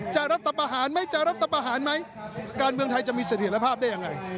รัฐประหารไหมจะรัฐประหารไหมการเมืองไทยจะมีเสถียรภาพได้ยังไง